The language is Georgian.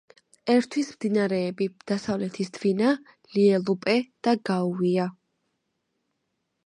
ერთვის მდინარეები: დასავლეთის დვინა, ლიელუპე და გაუია.